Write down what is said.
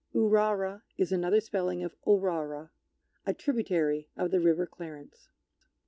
Urara * Another spelling of Orara, a tributary of the river Clarence.